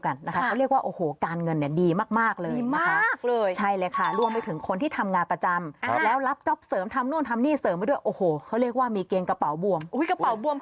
เพราะว่าเขาเรียกลูกค้าเข้ามาแบบบรัวเข้ามาแบบทลัก